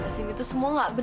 kasim itu semua nggak benar